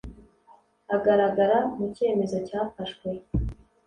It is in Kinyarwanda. agaragara mu cyemezo cyafashwe